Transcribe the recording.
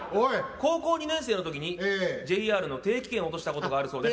高校２年生のときにＪＲの定期券を落としたことがあるそうです。